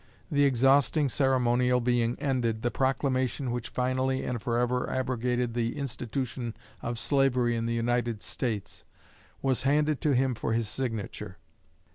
The exhausting ceremonial being ended, the proclamation which finally and forever abrogated the institution of slavery in the United States was handed to him for his signature.